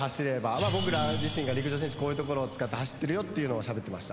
まあ僕ら自身が陸上選手こういうところを使って走ってるよっていうのをしゃべってました。